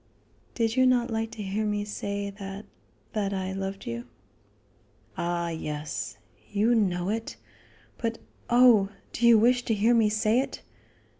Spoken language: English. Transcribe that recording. "Did you not like to hear me say that that I loved you?" "Ah, yes; you know it. But oh! do you wish to hear me say it?"